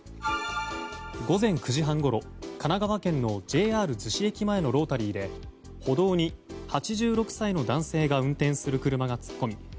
午前９時半ごろ神奈川県のＪＲ逗子駅前のロータリーで歩道に８６歳の男性が運転する車が突っ込み